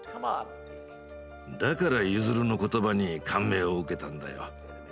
だからユヅルの言葉に感銘を受けたんだよ。